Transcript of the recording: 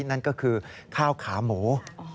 นั่นก็คือข้าวขาหมู